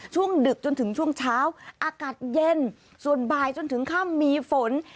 ดึกจนถึงช่วงเช้าอากาศเย็นส่วนบ่ายจนถึงค่ำมีฝน